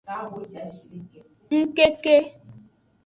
Ngkeke.